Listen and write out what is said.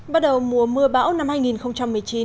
bắt đầu mùa mưa bão năm hai nghìn một mươi chín